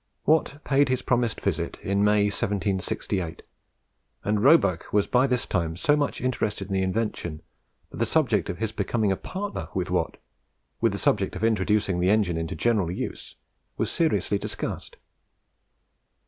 Watt paid his promised visit in May, 1768, and Roebuck was by this time so much interested in the invention, that the subject of his becoming a partner with Watt, with the object of introducing the engine into general use, was seriously discussed.